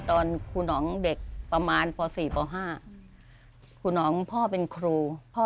ตอนครูนองเด็กประมาณพอสี่พอห้าครูนองพ่อเป็นครูพ่อ